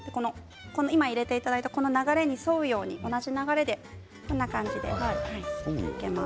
今入れていただいた流れに沿うように、同じ流れでこんな感じで生けます。